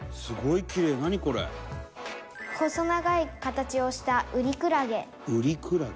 「細長い形をしたウリクラゲ」「ウリクラゲ？」